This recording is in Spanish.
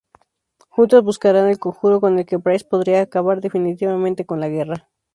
Juntos buscarán el conjuro con el que Price podría acabar definitivamente con la guerra.